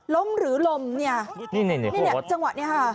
ล้มหรือลมนี่จังหวะนี้